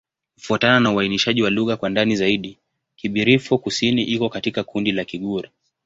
Kufuatana na uainishaji wa lugha kwa ndani zaidi, Kibirifor-Kusini iko katika kundi la Kigur.